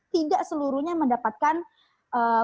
tidak seluruhnya mendapatkan kuota internet